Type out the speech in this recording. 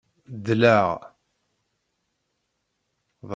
Dleɣ.